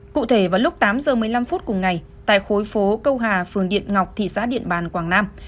cụ thể vào lúc tám giờ một mươi năm phút cùng ngày tại khối phố câu hà phường điện ngọc thị xã điện bàn quảng nam